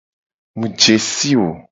Mu je si wo.